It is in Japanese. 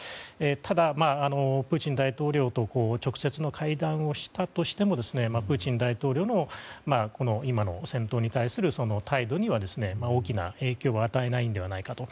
ただ、プーチン大統領と直接の対談をしたとしてもプーチン大統領の今の戦闘に対する態度には大きな影響を与えないのではないかと。